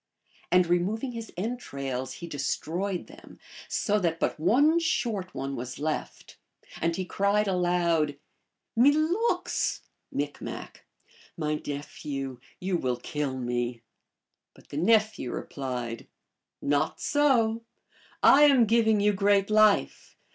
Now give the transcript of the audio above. And removing his entrails he destroyed them, so that but one short one was left. And he cried aloud, " Milooks ! (M.) My nephew, you will kill me !" But the nephew replied, " Not so. I am giving you great life.